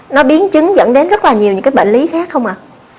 nó biến chứng dẫn đến rất là nhiều những cái bệnh lý khác không ạ